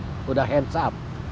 sudah hands up